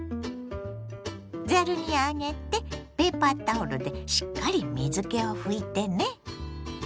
ざるに上げてペーパータオルでしっかり水けを拭いてね。